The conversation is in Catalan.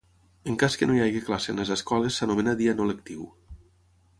En cas que no hi hagi classe en les escoles s'anomena dia no lectiu.